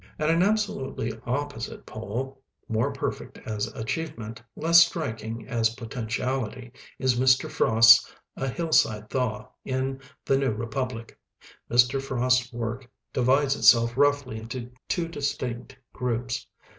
At an absolutely opposite pole, more perfect as achievement, less striking as potentiality, is Mr. Frost's "A Hill side Thaw" in "The New Republic". Mr. Frost's work divides itself roughly into two distinct groups.